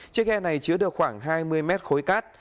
chiếc ghe này chứa được khoảng hai mươi mét khối cát